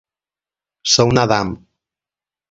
Ser un Adam.